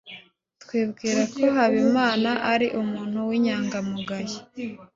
Twibwira ko Habimana ari umuntu w'inyangamugayo.